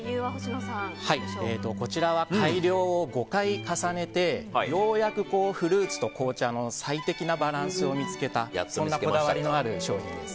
こちらは改良を５回重ねてようやくフルーツと紅茶の最適なバランスを見つけたそんなこだわりのある商品です。